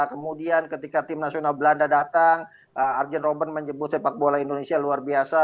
kemudian ketika tim nasional belanda datang arjen robert menyebut sepak bola indonesia luar biasa